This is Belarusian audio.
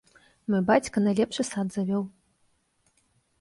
Мой бацька найлепшы сад завёў!